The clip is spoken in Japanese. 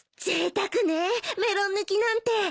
ぜいたくねメロン抜きなんて。